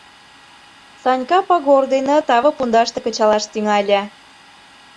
Санька пагор дене таве пундаште кычалаш тӱҥале.